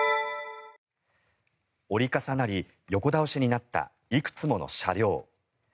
折り重なり横倒しになったいくつもの車両。